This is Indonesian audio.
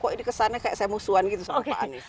kok ini kesannya kayak saya musuhan gitu sama pak anies